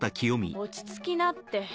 落ち着きなって。